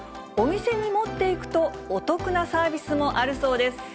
お店に持っていくと、お得なサービスもあるそうです。